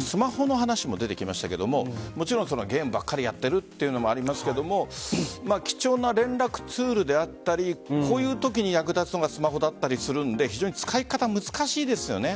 スマホの話も出てきましたがゲームばっかりやっているというのもありますけど貴重な連絡ツールであったりこういうときに役立つのがスマホだったりするので使い方は難しいですよね。